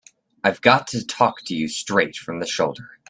I've got to talk to you straight from the shoulder.